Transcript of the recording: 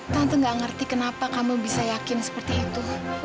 tante gak ngerti kenapa kamu bisa yakin seperti itu